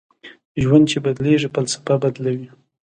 ژوند چې بدلېږي فلسفه بدلوي